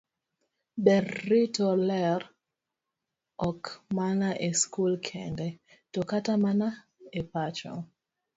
Ber rito ler, ok mana e skul kende, to kata mana e pacho.